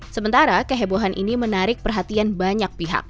sementara kehebohan ini menarik perhatian banyak pihak